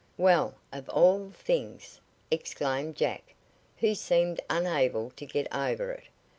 "Well, of all things!" exclaimed Jack, who seemed unable to get over it.